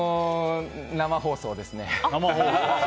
生放送ですね。